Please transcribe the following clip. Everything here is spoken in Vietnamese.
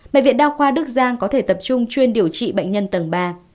bệnh viện đao khoa đức giang có thể tập trung chuyên điều trị bệnh nhân tầng ba